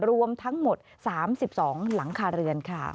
รวมทั้งหมด๓๒หลังคาเรือนค่ะ